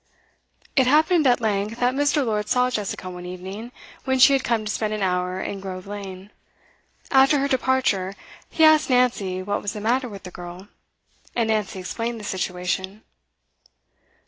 It happened at length that Mr. Lord saw Jessica one evening, when she had come to spend an hour in Grove Lane. After her departure, he asked Nancy what was the matter with the girl, and Nancy explained the situation.